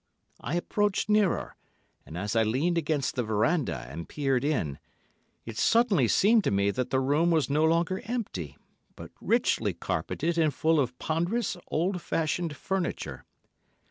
I approached nearer, and, as I leaned against the verandah and peered in, it suddenly seemed to me that the room was no longer empty, but richly carpetted and full of ponderous, old fashioned furniture.